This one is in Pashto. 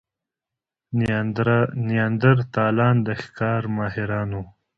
نیاندرتالان د ښکار ماهران وو.